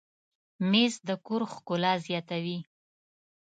مېز د کور ښکلا زیاتوي.